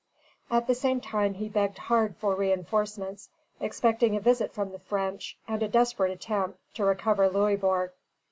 At the same time he begged hard for reinforcements, expecting a visit from the French and a desperate attempt to recover Louisbourg.